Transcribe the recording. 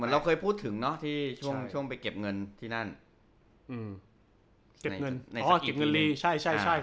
น่าจะใช่